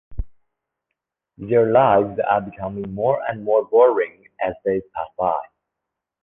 Their lives are becoming more and more boring as days pass by.